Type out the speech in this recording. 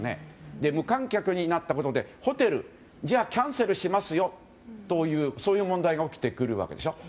無観客になったことでホテルはキャンセルしますというそういう問題が起きてくるわけでしょ。